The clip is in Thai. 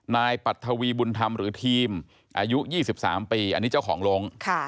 ปัทวีบุญธรรมหรือทีมอายุ๒๓ปีอันนี้เจ้าของลง